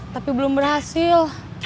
tapi belum berhasil